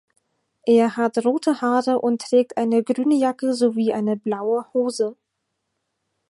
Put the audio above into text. Er hat rote Haare und trägt eine grüne Jacke sowie eine blaue Hose.